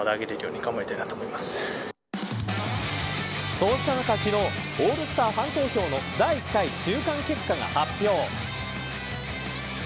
そうした中、昨日オールスターファン投票の第１回中間結果が発表。